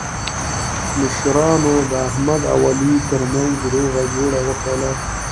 مشرانو د احمد او علي ترمنځ روغه وکړله.